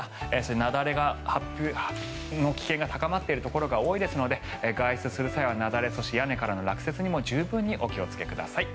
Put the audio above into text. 雪崩の危険が高まっているところが多いですので外出する際は雪崩などに屋根からの落雪に十分にお気をつけください。